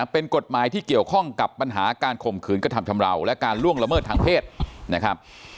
เป็นกฎหมายที่เกี่ยวข้องกับปัญหาการข่มขืนกระทำชำราวและการล่วงละเมิดทางเพศนะครับ